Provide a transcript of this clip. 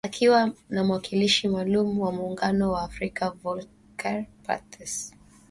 Akiwa na mwakilishi maalum wa Muungano wa Afrika, Volker Perthes.